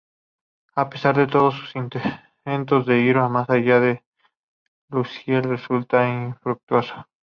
A pesar de todo sus intentos de ir más allá con Lucien resultan infructuosos.